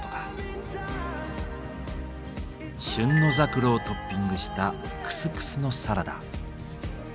旬のザクロをトッピングしたクスクスのサラダ。